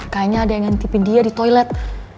kayaknya ada yang ngitipin dia di toilet